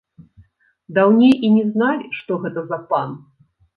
Даўней і не зналі, што гэта за пан.